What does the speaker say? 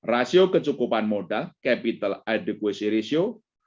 rasio kecukupan modal capital adequacy ratio